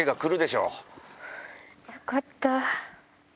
よかった。